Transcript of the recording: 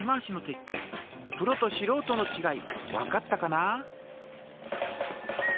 プロとしろうとのちがいわかったかな？